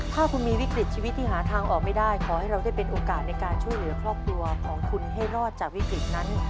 ถ้าคุณมีวิกฤตชีวิตที่หาทางออกไม่ได้ขอให้เราได้เป็นโอกาสในการช่วยเหลือครอบครัวของคุณให้รอดจากวิกฤตนั้น